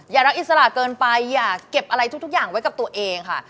รักอิสระเกินไปอย่าเก็บอะไรทุกอย่างไว้กับตัวเองค่ะ